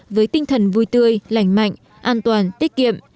với tinh thần vui tươi lành mạnh an toàn tiết kiệm